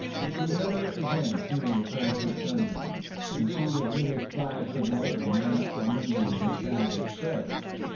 He would never again hear the crash of thunder, and see the vivid flash of lightning without remembering what Thad had said.